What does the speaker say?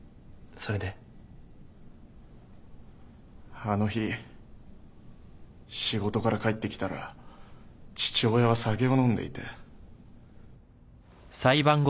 あの日仕事から帰ってきたら父親は酒を飲んでいて。